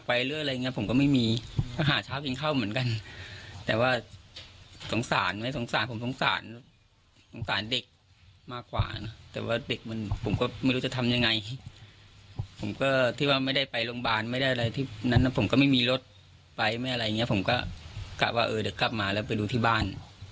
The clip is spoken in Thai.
ไปไม่อะไรอย่างนี้ผมก็กลับว่าเออเดี๋ยวกลับมาแล้วไปดูที่บ้าน